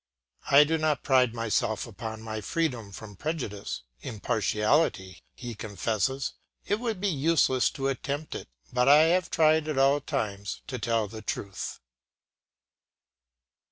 “I do not pride myself upon my freedom from prejudice impartiality,” he confesses “it would be useless to attempt it. But I have tried at all times to tell the truth.